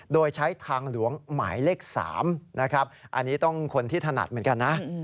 โดยใช้ทางหลวงหมายเลข๓นะครับอันนี้ต้องคนที่ถนัดเหมือนกันนะ